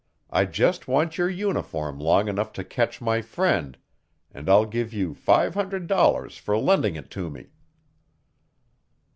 I just want your uniform long enough to catch my friend and I'll give you five hundred dollars for lending it to me."